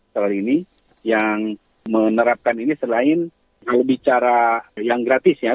soal ini yang menerapkan ini selain kalau bicara yang gratis ya